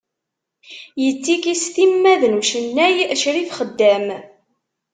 Yettiki s timmad n ucennay Crif Xeddam.